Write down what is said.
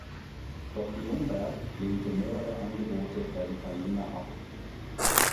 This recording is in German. Doch Ljungberg lehnte mehrere Angebote der Italiener ab.